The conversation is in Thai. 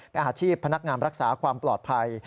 อาชีพพนักงานรักษาความปลอดภัย